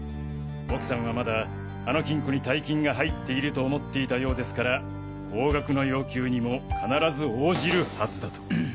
奥さんはまだあの金庫に大金が入っていると思っていたようですから高額の要求にも必ず応じるはずだと。